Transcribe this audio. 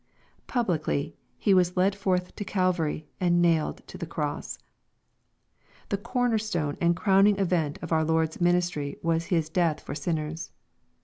Publicly He was led forth to Calvary, and nailed to the cross. The corner stone and crowning event in our Lord's ministry was His death for sinners.